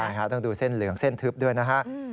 ใช่ค่ะต้องดูเส้นเหลืองเส้นทึบด้วยนะฮะ